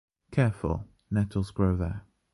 Careful, nettles grow there.